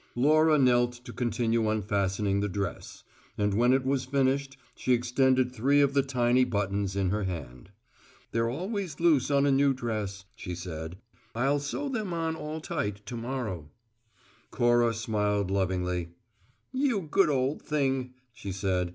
Laura knelt to continue unfastening the dress; and when it was finished she extended three of the tiny buttons in her hand. "They're always loose on a new dress," she said. "I'll sew them all on tight, to morrow." Cora smiled lovingly. "You good old thing," she said.